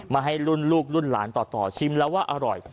ให้รุ่นลูกรุ่นหลานต่อชิมแล้วว่าอร่อย